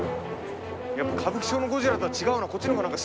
やっぱ歌舞伎町のゴジラとは違うこっちの方が。